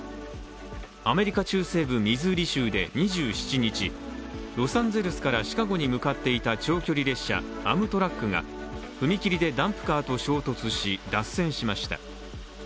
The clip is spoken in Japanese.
アメリカ中西部ミズーリ州で２７日、ロサンゼルスからシカゴへ向かっていた長距離列車アムトラックが踏切でダンプカーと衝突し、脱線しました。